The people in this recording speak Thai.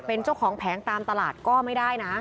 เป็นเจ้าของแผงตามตลาดก็ไม่ได้นะ